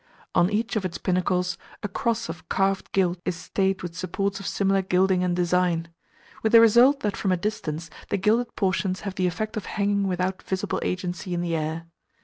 On each of its pinnacles a cross of carved gilt is stayed with supports of similar gilding and design; with the result that from a distance the gilded portions have the effect of hanging without visible agency in the air.